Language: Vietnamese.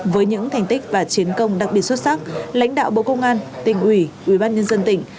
với những thành tích và chiến công đặc biệt xuất sắc lãnh đạo bộ công an tỉnh ủy ủy ban nhân dân tỉnh